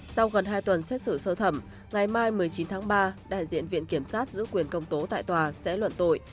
sau gần hai tuần xét xử sơ thẩm ngày mai một mươi chín tháng ba đại diện viện kiểm sát giữ quyền công tố tại tòa sẽ luận tội